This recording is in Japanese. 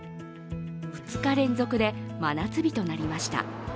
２日連続で真夏日となりました。